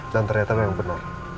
dan ternyata memang benar